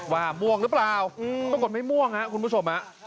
ว่าม่วงหรือเปล่าปรากฏไม่ม่วงคุณผู้ชม